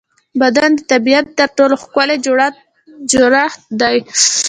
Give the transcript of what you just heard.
بدن د طبیعت تر ټولو ښکلی جوړڻت دی.